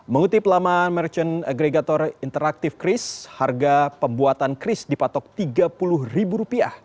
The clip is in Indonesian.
mengutip laman merchant agregator interaktif cris harga pembuatan kris dipatok rp tiga puluh